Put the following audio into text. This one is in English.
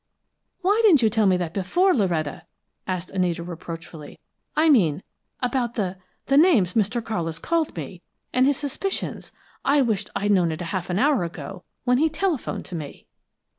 "Why didn't you tell me that before, Loretta?" asked Anita, reproachfully. "I mean, about the the names Mr. Carlis called me, and his suspicions. I wish I'd known it half an hour ago, when he telephoned to me!"